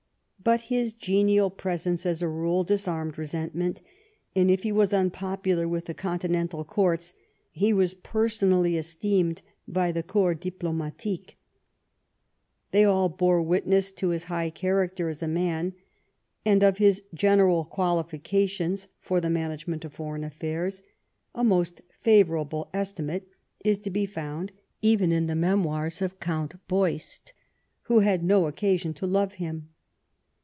But his genial presence as a rule disarmed resent ment, and if he was unpopular with the continental courts, he was personally esteemed by the Corps Diplo matique. They all bore witness to his high character as a man ; and of his general qualifications for the management of foreign affairs, a most favourable esti mate is to be found even in the memoirs of Count Beust, who had no occasion to love him.